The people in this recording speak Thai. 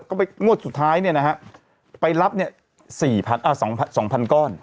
ก็ไปงวดสุดท้ายเนี่ยนะฮะไปรับเนี่ยสี่พันอ่าสองพันสองพันก้อน